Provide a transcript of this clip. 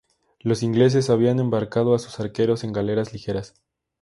Los ingleses habían embarcado a sus arqueros en galeras ligeras.